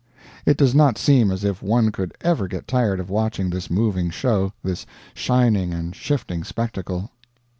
It does not seem as if one could ever get tired of watching this moving show, this shining and shifting spectacle